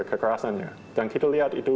kekerasannya dan kita lihat itu